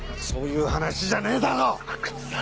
そういう話じゃねえだろ！